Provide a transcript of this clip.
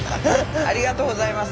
ありがとうございます。